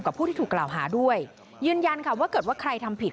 ผู้ที่ถูกกล่าวหาด้วยยืนยันค่ะว่าเกิดว่าใครทำผิด